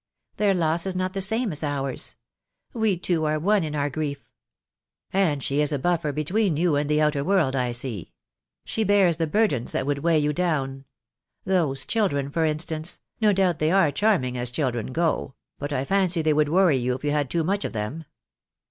Their loss is not the same as ours. We two are one in our grief." "And she is a buffer between you and the outer world I see. She bears the burdens that would weigh you down. Those children, for instance — no doubt they are charming, as children go; but I fancy they would worry you if you had too much of them."